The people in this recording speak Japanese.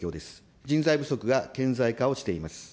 人材不足が顕在化をしています。